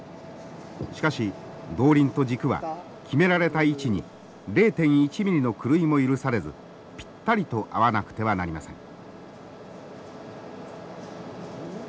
しかし動輪と軸は決められた位置に０．１ミリの狂いも許されずピッタリと合わなくてはなりません。